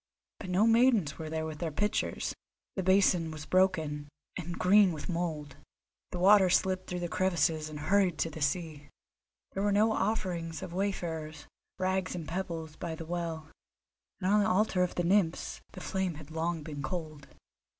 But no maidens were there with their pitchers; the basin was broken, and green with mould; the water slipped through the crevices and hurried to the sea. There were no offerings of wayfarers, rags and pebbles, by the well; and on the altar of the Nymphs the flame had long been cold.